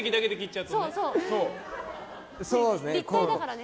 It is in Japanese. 立体だからね。